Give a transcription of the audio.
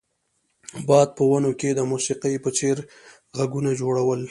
باد په ونو کې د موسیقۍ په څیر غږونه جوړول